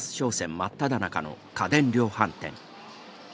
真っただ中の家電量販店。